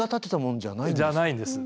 じゃないんです。